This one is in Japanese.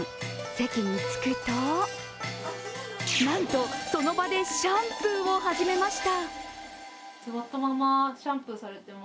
席に着くと、なんと、その場でシャンプーを始めました。